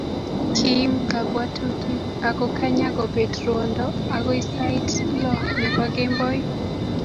Kiim kabwatutik akokanya kobet ruondo agoi sait lo nebo kemboi